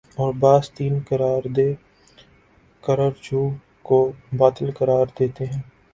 اور بعض تین قرار دے کررجوع کو باطل قرار دیتے ہیں